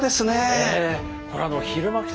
ええ！